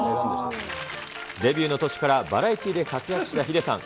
デビューの年からバラエティで活躍したヒデさん。